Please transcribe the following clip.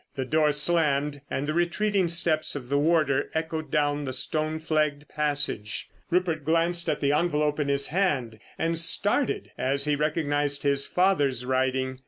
The door slammed, and the retreating steps of the warder echoed down the stone flagged passage. Rupert glanced at the envelope in his hand, and started as he recognised his father's writing.